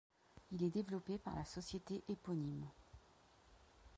Il est développé par la société éponyme.